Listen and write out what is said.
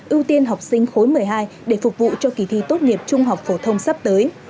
ưu tiên học sinh khối một mươi hai để phục vụ cho kỳ thi tốt nghiệp trung học phổ thông sắp tới